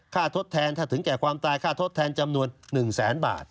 ทดแทนถ้าถึงแก่ความตายค่าทดแทนจำนวน๑แสนบาท